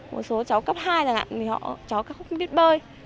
một số cháu cấp hai là cháu không biết bơi